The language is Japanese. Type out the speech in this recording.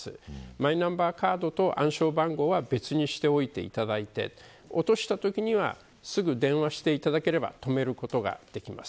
マイナンバーカードと暗証番号は別にしておいていただいて落としたときには、すぐに電話していただければ止めることができます。